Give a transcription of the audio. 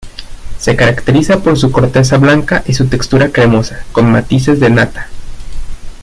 Se caracteriza por su corteza blanca y su textura cremosa, con matices de nata.